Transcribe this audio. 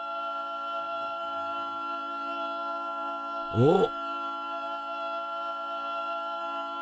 おっ！